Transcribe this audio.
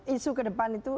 isu ke depan itu